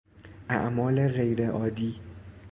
اعمال غیرعادی